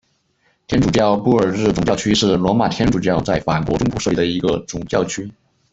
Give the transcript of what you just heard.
天主教布尔日总教区是罗马天主教在法国中部设立的一个总教区。